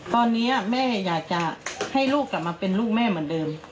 ตอนนี้แม่อยากจะให้ลูกกลับมาเป็นลูกแม่เหมือนเดิม